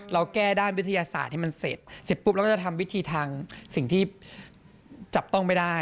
เราแก้ด้านวิทยาศาสตร์ให้มันเสร็จเสร็จปุ๊บเราก็จะทำวิธีทางสิ่งที่จับต้องไม่ได้